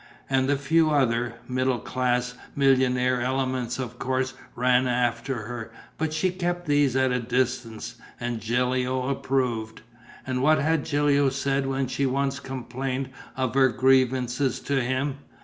And the few other, middle class millionaire elements of course ran after her, but she kept these at a distance; and Gilio approved. And what had Gilio said when she once complained of her grievance to him?